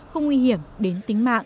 không nguy hiểm đến tính mạng